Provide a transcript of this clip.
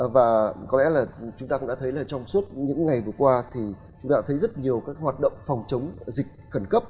và có lẽ là chúng ta cũng đã thấy là trong suốt những ngày vừa qua thì chúng ta đã thấy rất nhiều các hoạt động phòng chống dịch khẩn cấp